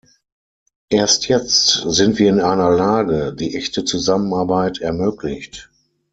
Erst jetzt sind wir in einer Lage, die echte Zusammenarbeit ermöglicht.